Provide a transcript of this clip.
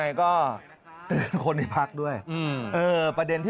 สมัยไม่เรียกหวังผม